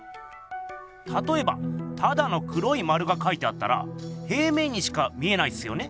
たとえばただの黒い丸がかいてあったら平面にしか見えないっすよね？